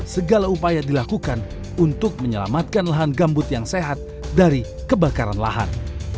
segala upaya dilakukan untuk menyelamatkan lahan gambut yang sehat dari kebakaran lahan